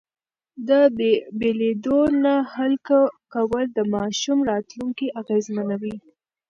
د بېلېدو نه حل کول د ماشوم راتلونکی اغېزمنوي.